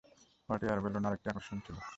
Hot air balloon আরেকটি আকর্ষণ ছিল।